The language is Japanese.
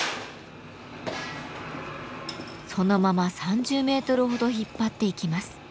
そのまま３０メートルほど引っ張っていきます。